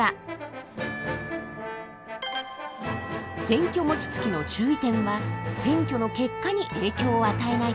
選挙もちつきの注意点は選挙の結果に影響を与えないこと。